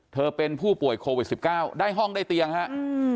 เธอเป็นผู้ป่วยโควิด๑๙ได้ห้องได้เตียงครับ